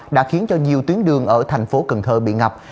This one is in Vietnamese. đã khiến cho nhiều tuyến đường ở thành phố cần thơ bị ngập